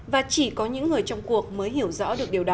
và chỉ có những người trong cuộc mới hiểu rõ